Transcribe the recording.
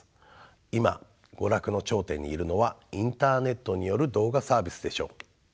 今娯楽の頂点にいるのはインターネットによる動画サービスでしょう。